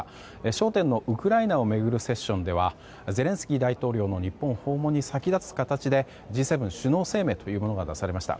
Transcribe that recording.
焦点のウクライナを巡るセッションではゼレンスキー大統領の日本訪問に先立つ形でＧ７首脳声明が出されました。